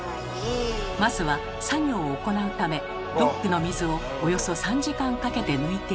まずは作業を行うためドックの水をおよそ３時間かけて抜いていきます。